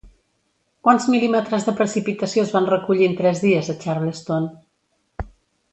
Quants mm de precipitació es van recollir en tres dies a Charleston?